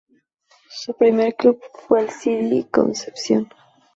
Su primer club fue el C. D. Concepción.